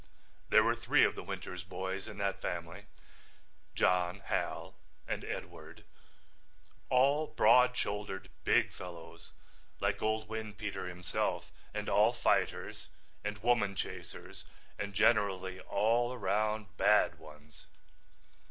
There were three of the Winters boys in that family, John, Hal, and Edward, all broad shouldered big fellows like old Windpeter himself and all fighters and woman chasers and generally all around bad ones.